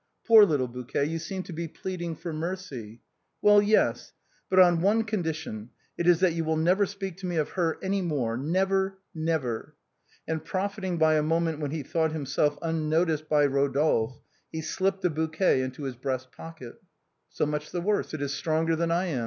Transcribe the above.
Poor little bouquet, you seem to be pleading for mercy ; well, yes ; but on one condition ; it is that you will never speak to me of her any more, never ! never !" And profiting by a moment when he thought himself unnoticed by Rodolphe, he slipped the bouquet into his breast pocket. " So much the worse, it is stronger than I am.